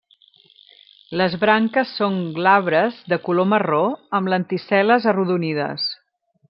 Les branques són glabres de color marró, amb lenticel·les arrodonides.